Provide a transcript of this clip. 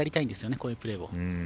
こういうプレーを。